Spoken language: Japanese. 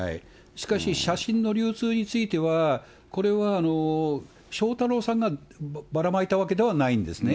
しかし写真の流出については、これは翔太郎さんがばらまいたわけではないんですね。